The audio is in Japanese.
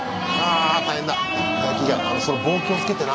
その棒気をつけてな。